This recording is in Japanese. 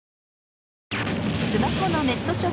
スマホのネット